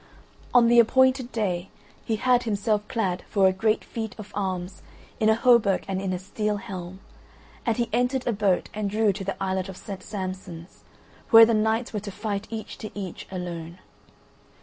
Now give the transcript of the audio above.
On the appointed day he had himself clad for a great feat of arms in a hauberk and in a steel helm, and he entered a boat and drew to the islet of St. Samson's, where the knights were to fight each to each alone.